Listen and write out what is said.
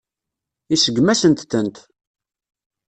Iseggem-asent-tent.